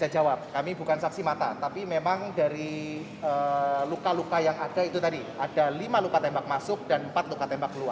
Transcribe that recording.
jawab kami bukan saksi mata tapi memang dari luka luka yang ada itu tadi ada lima luka tembak masuk dan empat luka tembak keluar